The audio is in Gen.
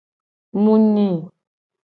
Mu nyi.